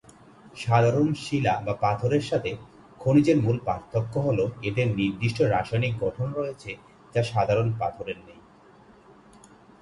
সাধারণ শিলা বা পাথরের সাথে খনিজের মূল পার্থক্য হলো এদের নির্দিষ্ট রাসায়নিক গঠন রয়েছে যা সাধারণ পাথরের নেই।